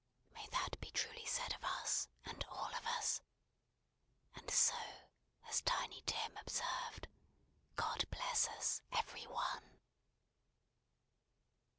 May that be truly said of us, and all of us! And so, as Tiny Tim observed, God bless Us, Every One!